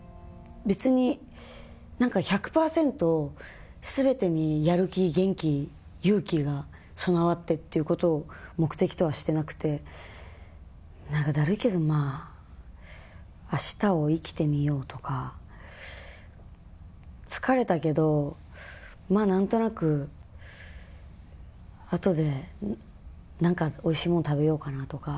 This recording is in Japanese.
別になんか、１００％すべてにやる気、元気、勇気が備わってっていうことを目的とはしてなくて、なんかだるいけど、まあ、あしたを生きてみようとか、疲れたけど、まあ、なんとなくあとでなんかおいしいもの食べようかなとか。